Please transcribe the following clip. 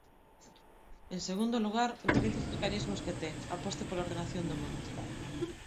En segundo lugar, utilice os mecanismos que ten, aposte pola ordenación do monte.